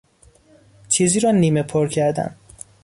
چیزی را نیمه پر کردن